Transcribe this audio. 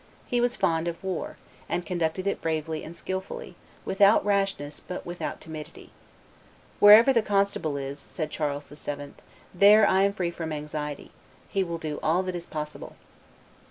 He was fond of war, and conducted it bravely and skilfully, without rashness, but without timidity: "Wherever the constable is," said Charles VII., "there I am free from anxiety; he will do all that is possible!"